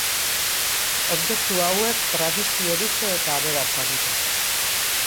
Objektu hauek tradizio luze eta aberatsa dute.